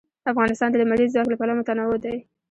افغانستان د لمریز ځواک له پلوه متنوع دی.